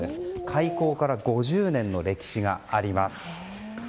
開校から５０年の歴史があります。